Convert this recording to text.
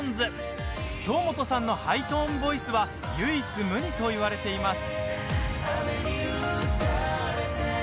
京本さんのハイトーンボイスは唯一無二といわれています。